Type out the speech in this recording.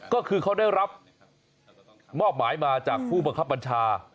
ก็คือเขาได้รับมอบหมายมาจากผู้บังคับบัญชา